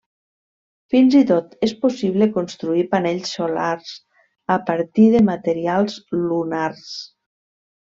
Fins i tot, és possible construir panells solars a partir de materials lunars.